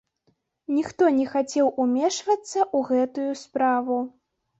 Ніхто не хацеў умешвацца ў гэтую справу.